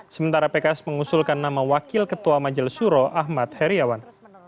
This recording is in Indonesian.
sementara pks mengusulkan nama wakil ketua majelis suro ahmad heriawan